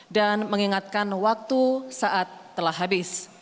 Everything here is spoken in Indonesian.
dan mengingatkan waktu saat telah habis